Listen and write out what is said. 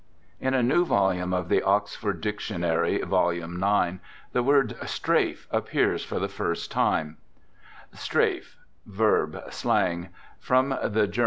In a new volume of the Oxford Dictionary, Vol. IX., the word " Strafe " appears for the first time: "Strafe (straf), v. slang. [From the Ger.